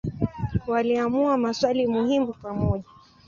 Waliamua maswali muhimu pamoja.